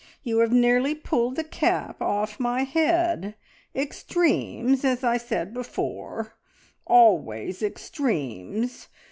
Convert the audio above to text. You have nearly pulled the cap off my head. Extremes, as I said before, always extremes!